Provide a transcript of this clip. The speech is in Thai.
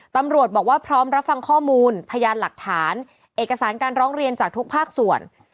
ตำรวจบอกว่าพร้อมรับฟังข้อมูลพยานหลักฐานเอกสารการร้องเรียนจากทุกภาคส่วน